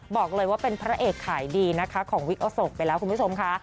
บอกเลยว่าเป็นพระเอกขายดีนะคะของวิกโอโศกไปแล้วคุณผู้ชมค่ะ